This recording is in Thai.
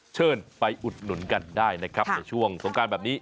เชิญไปอุดหนุนกันได้นะครับในช่วงสงการแบบนี้